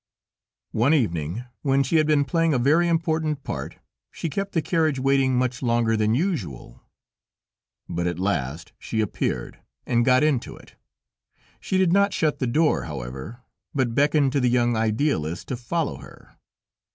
One evening, when she had been playing a very important part, she kept the carriage waiting much longer than usual; but at last she appeared, and got into it; she did not shut the door, however, but beckoned to the young Idealist to follow her.